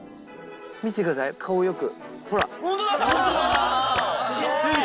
見ててください顔よく。